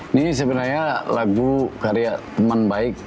ini sebenarnya lagu karya teman baik